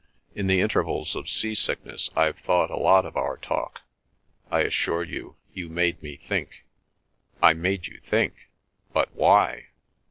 In the intervals of sea sickness I've thought a lot of our talk. I assure you, you made me think." "I made you think! But why?"